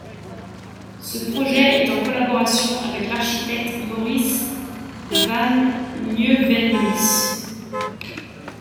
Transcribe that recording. Ce projet est en collaboration avec l’architecte Maurice Van Nieuwenhuyse.